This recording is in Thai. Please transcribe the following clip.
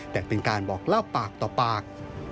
แต่เป็นการบอกเล่าปากต่อปาก